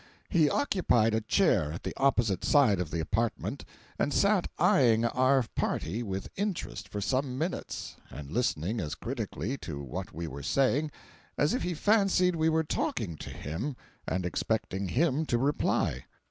He occupied a chair at the opposite side of the apartment, and sat eyeing our party with interest for some minutes, and listening as critically to what we were saying as if he fancied we were talking to him and expecting him to reply.